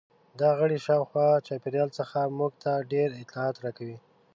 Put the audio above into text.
دا غړي شاوخوا چاپیریال څخه موږ ته ډېر اطلاعات راکوي.